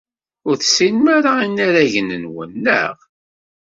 Ur tessinem ara inaragen-nwen, naɣ?